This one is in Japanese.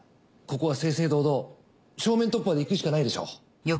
ここは正々堂々正面突破でいくしかないでしょう。